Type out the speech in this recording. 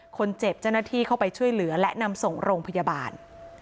คนเจ็บเจ้าหน้าที่เข้าไปช่วยเหลือและนำส่งโรงพยาบาล